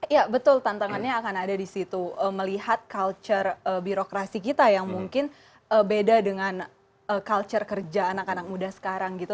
ya betul tantangannya akan ada di situ melihat culture birokrasi kita yang mungkin beda dengan culture kerja anak anak muda sekarang gitu